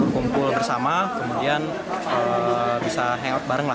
kumpul bersama kemudian bisa hangout bareng lah